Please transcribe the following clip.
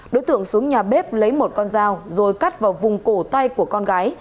đối tượng xuống nhà bếp lấy một con dao rồi cắt vào vùng cổ tay của con gái